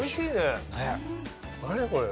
何これ！